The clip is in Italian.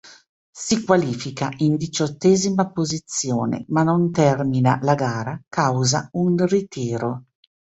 Si qualifica in diciottesima posizione ma non termina la gara causa un ritiro.